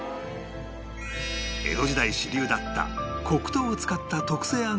江戸時代主流だった黒糖を使った特製あん